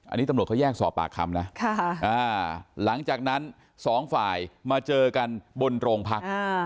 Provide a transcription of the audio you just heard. อันนี้ตำรวจเขาแยกสอบปากคำนะหลังจากนั้นสองฝ่ายมาเจอกันบนโรงพัก